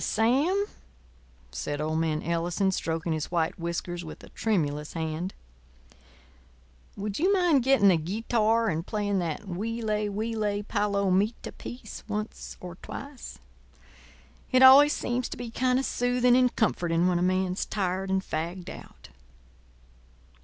"Sam," said old man Ellison, stroking his white whiskers with a tremulous hand, "would you mind getting the guitar and playing that 'Huile, huile, palomita' piece once or twice? It always seems to be kind of soothing and comforting when a man's tired and fagged out."